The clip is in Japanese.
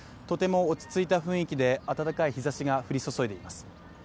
とても落ち着いた雰囲気で暖かい日ざしが降り注いでいます。